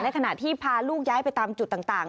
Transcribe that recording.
ขณะที่พาลูกย้ายไปตามจุดต่าง